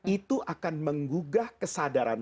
itu akan menggugah kesadaran